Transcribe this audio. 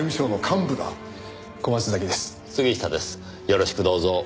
よろしくどうぞ。